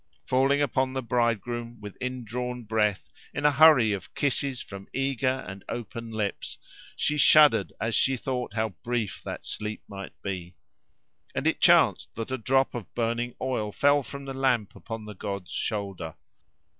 Falling upon the bridegroom, with indrawn breath, in a hurry of kisses from eager and open lips, she shuddered as she thought how brief that sleep might be. And it chanced that a drop of burning oil fell from the lamp upon the god's shoulder.